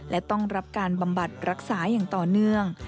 และต้องรับการบำบัดรักษาอย่างต่อเนื่อง